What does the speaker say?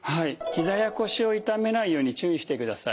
ひざや腰を痛めないように注意してください。